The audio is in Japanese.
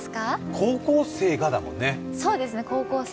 高校生がだもんね。